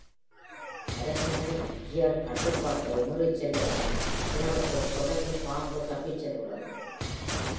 Arsenal Gear கட்டுப்பாட்டை மீறிச் செல்வதால், திரவத்தைத் தொடர்ந்து பாம்பு தப்பிச்செல்கிறது.